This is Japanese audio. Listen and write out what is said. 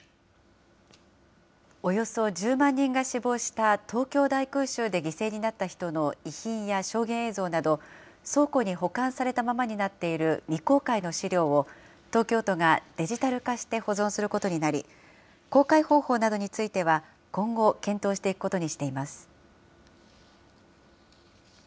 およそ１０万人が死亡した、東京大空襲で犠牲になった人の遺品や証言映像など、倉庫に保管されたままになっている未公開の資料を東京都がデジタル化して保存することになり、公開方法などについては、今後、検討していくことにしています。